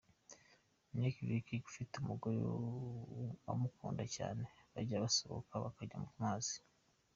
Nick Vujicic afite umugore umukunda cyane, bajya basohoka bakajya ku mazi.